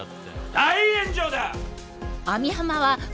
大炎上だ！